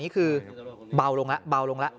คือเบาลงละเบาลงละ